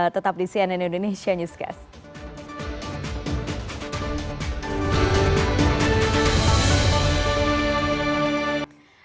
tetap di cnn indonesia newscast